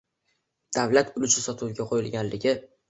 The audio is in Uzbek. davlat ulushi sotuvga qo‘yilganligi